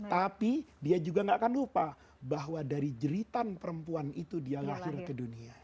tapi dia juga gak akan lupa bahwa dari jeritan perempuan itu dia lahir ke dunia